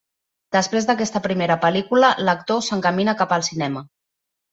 Després d'aquesta primera pel·lícula, l'actor s’encamina cap al cinema.